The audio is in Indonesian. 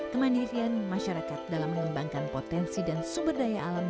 kemandirian masyarakat dalam mengembangkan potensi dan sumber daya alam